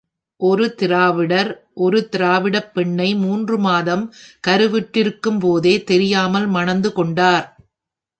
ஒரு திராவிடர், ஒரு திராவிடப் பெண்ணை மூன்று மாதம் கருவுற்றிருக்கும்போதே தெரியாமல் மணந்து கொண்டார்.